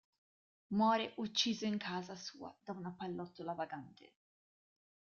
Muore ucciso in casa sua da una pallottola vagante.